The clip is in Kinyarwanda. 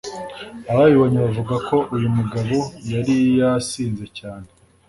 Ababibonye bavuga ko uyu mugabo yari yasinze cyane